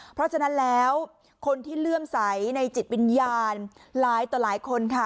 เพราะฉะนั้นแล้วคนที่เลื่อมใสในจิตวิญญาณหลายต่อหลายคนค่ะ